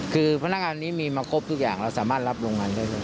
คือพนักงานนี้มีมาครบทุกอย่างเราสามารถรับโรงงานได้ใช่ไหม